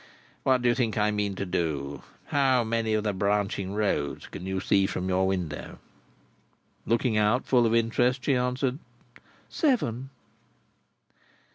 What do you think I mean to do? How many of the branching roads can you see from your window?" Looking out, full of interest, she answered, "Seven."